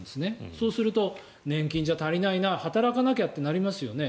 そうすると年金じゃ足りないな働かなきゃってなりますよね。